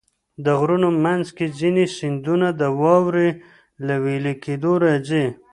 د غرونو منځ کې ځینې سیندونه د واورې له وېلې کېدو راځي.